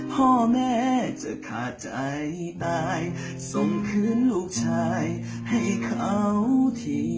พ่อแม่จะขาดใจตายส่งคืนลูกชายให้เขาที